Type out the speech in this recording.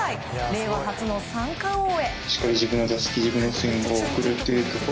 令和初の三冠王へ！